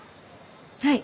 はい。